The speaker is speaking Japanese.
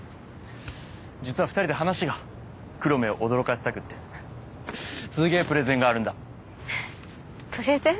実は２人で話が黒目を驚かせたくってすげえプレゼンがあるんだふふっプレゼン？